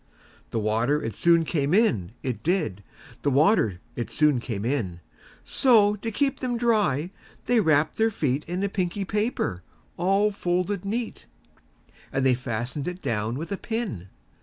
The water it soon came in, it did; The water it soon came in:So, to keep them dry, they wrapp'd their feetIn a pinky paper all folded neat:And they fasten'd it down with a pin.